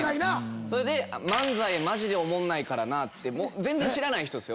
それで「漫才マジでおもんないからな」って全然知らない人ですよ。